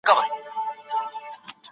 ولي خپلواکي محکمې اړینې دي؟